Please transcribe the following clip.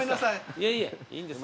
いえいえいいんです。